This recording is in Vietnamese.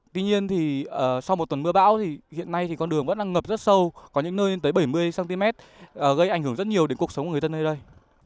tuy nhiên sau một tuần mưa bão hiện nay con đường vẫn ngập rất sâu có những nơi lên tới bảy mươi cm gây ảnh hưởng rất nhiều đến cuộc sống của người dân nơi đây